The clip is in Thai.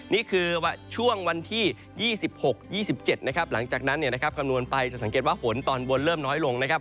นี่คือช่วงวันที่๒๖๒๗นะครับหลังจากนั้นคำนวณไปจะสังเกตว่าฝนตอนบนเริ่มน้อยลงนะครับ